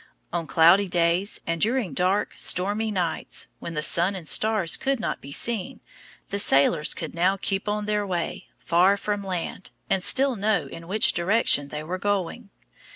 On cloudy days, and during dark, stormy nights, when the sun and stars could not be seen, the sailors could now keep on their way, far from land, and still know in which direction they were going.